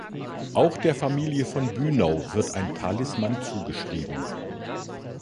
Auch der Familie von Bünau wird ein Talisman zugeschrieben.